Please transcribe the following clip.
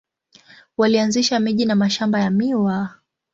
Walianzisha miji na mashamba ya miwa.